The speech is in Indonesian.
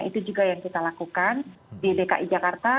itu juga yang kita lakukan di dki jakarta